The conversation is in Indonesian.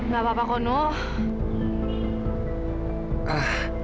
gak apa apa kok nuh